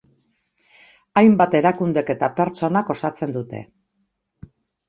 Hainbat erakundek eta pertsonak osatzen dute.